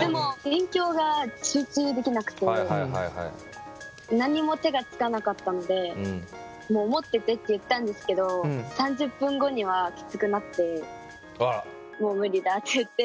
でも勉強が集中できなくて何も手がつかなかったのでもう持っててって言ったんですけど３０分後にはキツくなってもう無理だって言って。